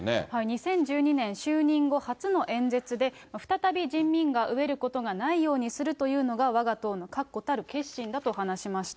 ２０１２年、就任後、初の演説で、再び人民が飢えることがないようにするというのがわが党の確固たる決心だと話しました。